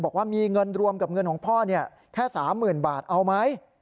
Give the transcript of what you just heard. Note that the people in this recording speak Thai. บอกว่ามีเงินรวมกับเงินของพ่อแค่๓๐๐๐บาทเอาไหม